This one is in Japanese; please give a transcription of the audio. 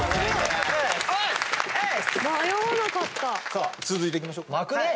さあ続いていきましょう。